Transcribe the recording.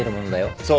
そう。